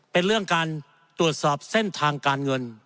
เป็นเรื่องการตรวจสอบเส้นทางการเงิน